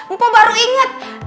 mpok baru ingat